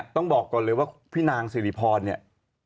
ต้องบอกก่อนเลยว่าพี่นางสิริพรเนี่ย